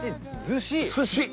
寿司！